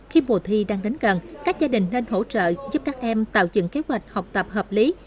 khi mùa thi đang đến gần các gia đình nên hỗ trợ giúp các em tạo dựng kế hoạch học tập hợp lý